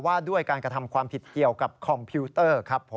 ๔พรบว่าด้วยการกระทำความผิดเกี่ยวกับคอมพิวเตอร์